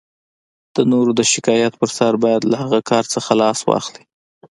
د نورو د شکایت په سر باید له هغه کار نه لاس واخلئ.